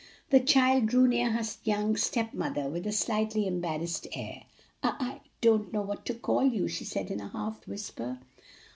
The child drew near her young step mother with a slightly embarrassed air. "I I don't know what to call you," she said in a half whisper.